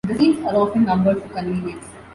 The scenes are often numbered for convenience.